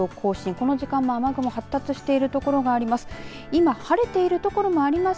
この時間も雨雲が発達している所があります。